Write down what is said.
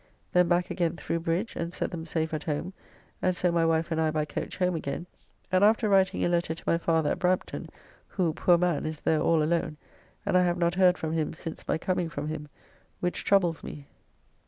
Then back again through bridge, and set them safe at home, and so my wife and I by coach home again, and after writing a letter to my father at Brampton, who, poor man, is there all alone, and I have not heard from him since my coming from him, which troubles me.